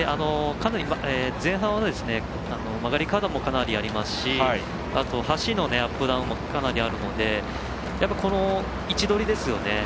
前半は曲がり角もかなりありますし橋のアップダウンもかなりあるので、やっぱりこの位置取りですよね。